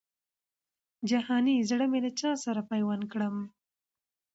جهاني زړه مي له چا سره پیوند کړم